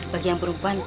bagi yang perempuan